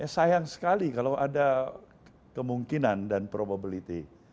sayang sekali kalau ada kemungkinan dan probability